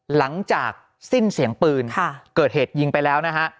หลังจากสิ้นเสียงปืนเกิดเหตุยิงไปแล้วนะฮะ